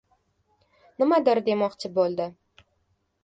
Nimadir demoqchi bo‘ldi.